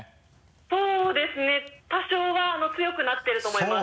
そうですね多少は強くなってると思います。